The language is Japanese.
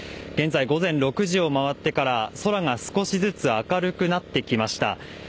現在、午前６時を回ってから空が少しずつ明るくなってきました。